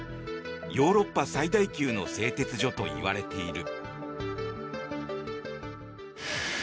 ヨーロッパ最大級の製鉄所といわれている。